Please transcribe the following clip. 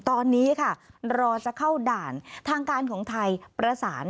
ตอนนี้ค่ะรอจะเข้าด่านทางการของไทยประสาน